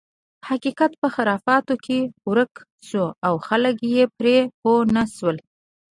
حقیقت په خرافاتو کې ورک شو او خلک یې پرې پوه نه شول.